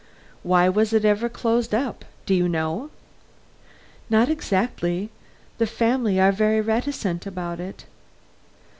"Why was it ever closed up? Do you know?" "Not exactly. The family are very reticent about it.